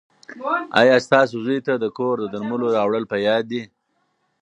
ایا ستاسو زوی ته د کور د درملو راوړل په یاد دي؟